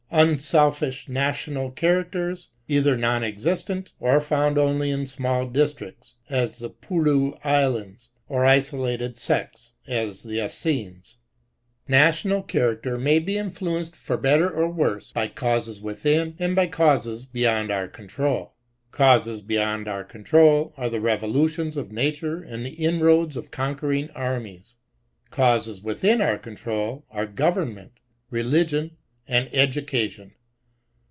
Unselfish na tional characters, either non existent, or found only in small districts, as the Felew Islands, or isolated sects, as the Essenes. National character may be influenced for better or worse, by causes within and by causes beyond our control. 156 MATIOKAL Causes beyond our control, are the revolutions of nature and the inroads of conquering armies. Causes within our control, are government, religion, and education.